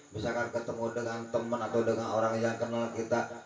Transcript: misalkan ketemu dengan teman atau dengan orang yang kenal kita